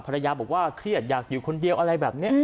ภรรยาบอกว่าเครียดอยากอยู่คนเดียวอะไรแบบนี้